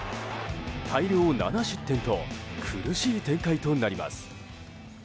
大量７失点と苦しい展開となります。